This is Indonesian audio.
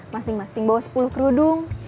masing masing bawa sepuluh kerudung